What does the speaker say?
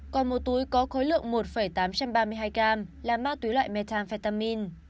còn một túi có khối lượng một tám trăm ba mươi hai gram là ma túy loại methamphetamin